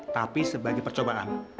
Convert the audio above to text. tapi sebagai percobaan